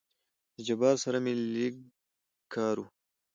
د جبار سره مې لېږ کار وو.